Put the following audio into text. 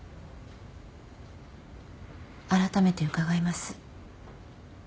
あらためて伺います。